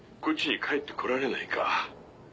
こっちに帰ってこられないか？